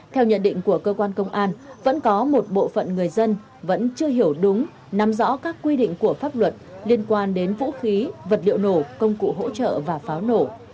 theo nhận định của cơ quan công an vẫn có một bộ phận người dân vẫn chưa hiểu đúng nắm rõ các quy định của pháp luật liên quan đến vũ khí vật liệu nổ công cụ hỗ trợ và pháo nổ